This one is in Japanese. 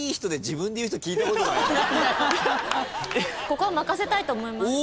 ここは任せたいと思います。